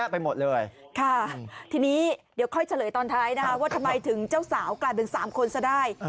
ไปหมดเลยค่ะทีนี้เดี๋ยวค่อยเฉลยตอนท้ายนะคะว่าทำไมถึงเจ้าสาวกลายเป็น๓คนซะได้